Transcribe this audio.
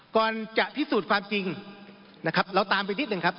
ก่อนจะพิสูจน์ความจริงนะครับเราตามไปนิดหนึ่งครับ